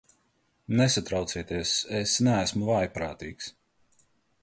Nesatraucieties, es neesmu vājprātīgs.